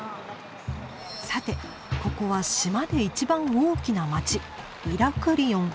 さてここは島で一番大きな街イラクリオン。